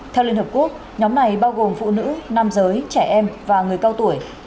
theo liên hợp quốc nhóm này bao gồm phụ nữ nam giới trẻ em và người cao tuổi